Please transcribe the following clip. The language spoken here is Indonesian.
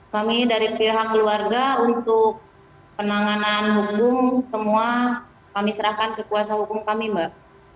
kami dari pihak keluarga untuk penanganan hukum semua kami serahkan ke kuasa hukum kami mbak